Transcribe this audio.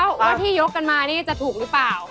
ว่าที่ยกกันมานี่จะถูกหรือเปล่า